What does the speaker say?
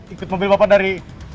ikut mobil bapak dari